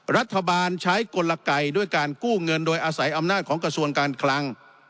รัฐบาลใช้กลไกด้วยการกู้เงินโดยอาศัยอำนาจของกระทรวงการคลัง